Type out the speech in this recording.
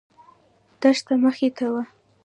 دښته مخې ته وه.